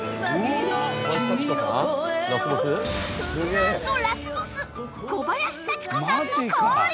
なんとラスボス小林幸子さんも降臨！